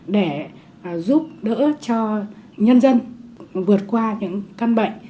để giúp đỡ cho nhân dân vượt qua những căn bệnh